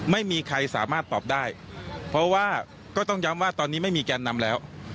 ไม่มีใครสามารถตอบได้เพราะว่าก็ต้องย้ำว่าตอนนี้ไม่มีแกนนำแล้ว